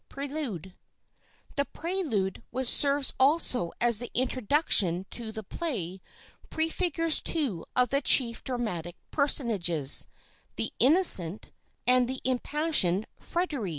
PRELUDE The Prelude, which serves also as the introduction to the play, prefigures two of the chief dramatic personages: the Innocent, and the impassioned Fréderi.